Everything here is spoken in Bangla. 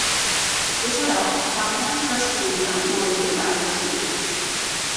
এছাড়াও, বামহাতে ফাস্ট মিডিয়াম বোলিংয়ে পারদর্শী তিনি।